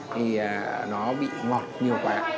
thì nó bị ngọt nhiều quá